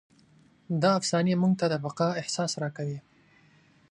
دا افسانې موږ ته د بقا احساس راکوي.